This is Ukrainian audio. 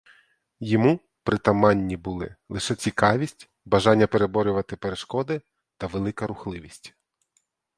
Йому притаманні були лише цікавість, бажання переборювати перешкоди та велика рухливість.